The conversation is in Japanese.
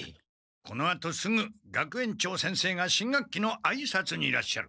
このあとすぐ学園長先生が新学期のあいさつにいらっしゃる。